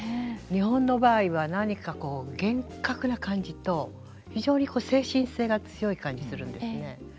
日本の場合は何かこう厳格な感じと非常に精神性が強い感じするんですね。